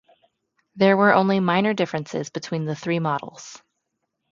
There were only minor differences between the three models.